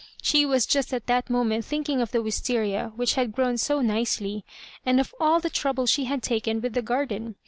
She was just at that moment thinking of the Wisteria which had grown so nicely, and of all the trouble she had t^en with the garden.